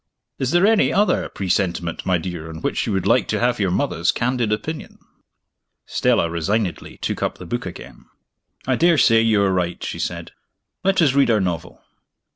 Is there any other presentiment, my dear, on which you would like to have your mother's candid opinion?" Stella resignedly took up the book again. "I daresay you are right," she said. "Let us read our novel."